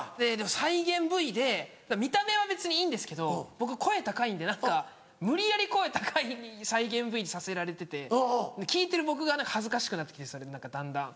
再現ＶＴＲで見た目は別にいいんですけど僕声高いんで何か無理やり声高い再現ＶＴＲにさせられてて聞いてる僕が恥ずかしくなって来てだんだん。